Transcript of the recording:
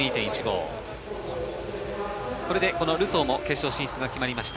これでルソーも決勝進出が決まりました。